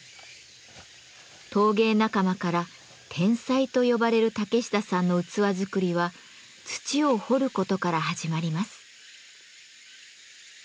陶芸仲間から「天才」と呼ばれる竹下さんの器作りは土を掘ることから始まります。